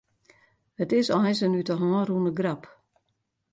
It is eins in út 'e hân rûne grap.